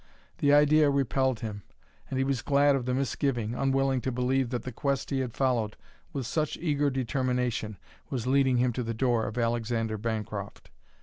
The idea repelled him. And he was glad of the misgiving, unwilling to believe that the quest he had followed with such eager determination was leading him to the door of Alexander Bancroft.